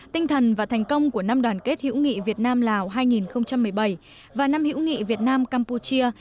tinh thần và thành công của năm đoàn kết hữu nghị việt nam lào hai nghìn một mươi bảy và năm hữu nghị việt nam campuchia